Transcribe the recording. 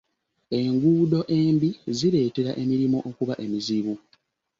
Enguudo embi zireetera emirimu okuba emizibu.